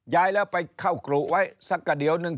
ย้ายแล้วไปเข้ากรุไว้สักกระเดี๋ยวนึง